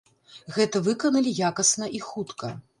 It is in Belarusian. Гэта выканалі якасна і хутка.